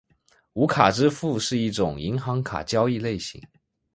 无卡支付是一种银行卡交易类型。